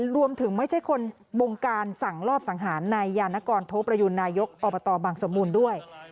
ไม่ใช่คนบงการสั่งรอบสังหารนายยานกรโทประยูนนายกอบตบังสมบูรณ์ด้วย